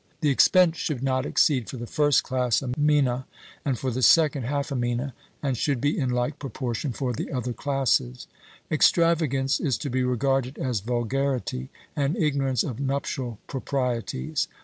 The expense should not exceed, for the first class, a mina; and for the second, half a mina; and should be in like proportion for the other classes. Extravagance is to be regarded as vulgarity and ignorance of nuptial proprieties.